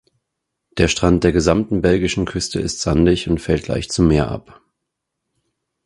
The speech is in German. Der Strand der gesamten belgischen Küste ist sandig und fällt leicht zum Meer ab.